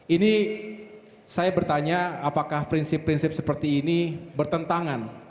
ini saya bertanya apakah prinsip prinsip seperti ini bertentangan